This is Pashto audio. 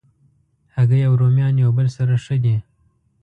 هګۍ او رومیان یو بل سره ښه دي.